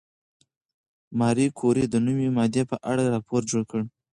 ماري کوري د نوې ماده په اړه راپور جوړ کړ.